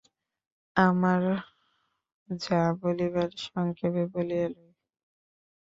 আমার যা বলিবার সংক্ষেপে বলিয়া লই।